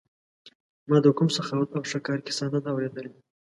ما د کوم سخاوت او ښه کار کیسه نه ده اورېدلې.